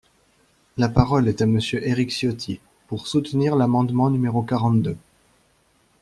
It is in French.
La parole est à Monsieur Éric Ciotti, pour soutenir l’amendement numéro quarante-deux.